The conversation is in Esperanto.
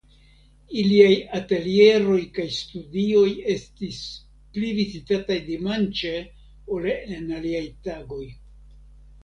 Iliaj atelieroj kaj studioj estis pli vizitataj dimanĉe ol en aliaj tagoj.